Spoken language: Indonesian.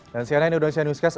dan siangnya indonesia newscast